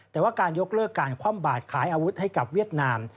แต่ว่าการยกเลิกการคว่ำบาดขายอาวุธให้กับเวียดนาม